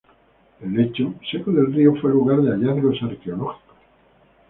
El lecho seco del río fue lugar de hallazgos arqueológicos.